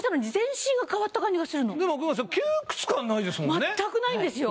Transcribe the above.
まったくないんですよ。